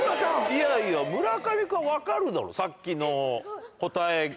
いやいや村上君は分かるだろさっきの答えて。